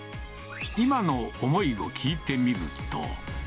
今の思いを聞いてみると。